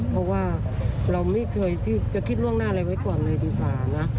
เพราะว่าเราไม่เคยที่จะคิดล่วงหน้าอะไรไว้ก่อนเลยดีกว่านะ